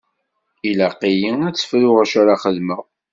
Ilaq-iyi ad tt-fruɣ acu ara xedmeɣ.